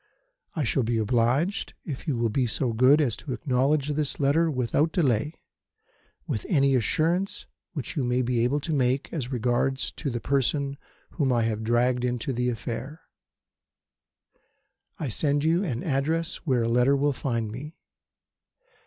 I shall be obliged if you will be so good as to acknowledge this letter without delay, with any assurance which you may be able to make as regards the person whom I have dragged into the affair. I send you an address where a letter will find me.